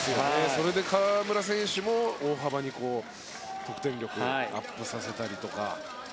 それで河村選手も大幅に得点力をアップさせたりとか。